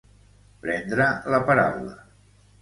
Prendre la paraula.